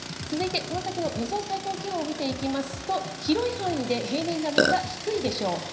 続いてこの先の予想最高気温を見ていきますと、広い範囲で平年並みか低いでしょう。